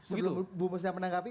sebelum ibu musda menanggapi